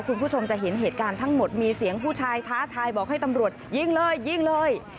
คุณผู้ชมจะเห็นเหตุการณ์ทั้งหมดมีเสียงผู้ชายท้าทายบอกให้ตำรวจยิงเลยยิงเลย